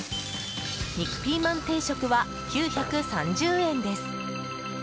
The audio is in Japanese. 肉ピーマン定食は９３０円です。